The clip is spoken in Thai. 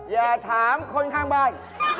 อย่าถามคนข้างบ้าน